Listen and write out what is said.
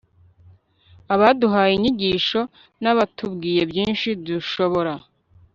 abaduhaye inyigisho, n'abatubwiye byinshi dushobora